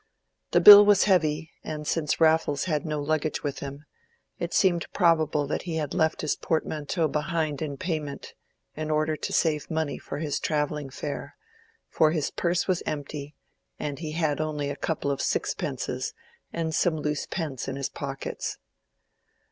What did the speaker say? The bill was heavy, and since Raffles had no luggage with him, it seemed probable that he had left his portmanteau behind in payment, in order to save money for his travelling fare; for his purse was empty, and he had only a couple of sixpences and some loose pence in his pockets.